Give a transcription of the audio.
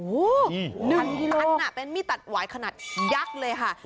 หนึ่งตันเป็นมีตัดหวายขนาดยักษ์เลยค่ะ